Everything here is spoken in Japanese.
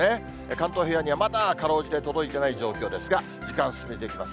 関東平野にはまだかろうじて届いていない状況ですが、時間進めていきます。